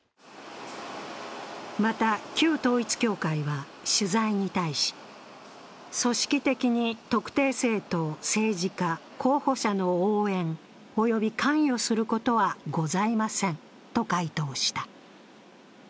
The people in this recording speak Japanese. また、旧統一教会は取材に対し、組織的に特定政党、政治家、候補者の応援、及び関与することはございませんと回答した。